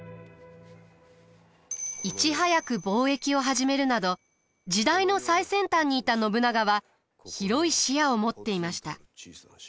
いち早く貿易を始めるなど時代の最先端にいた信長は広い視野を持っていました。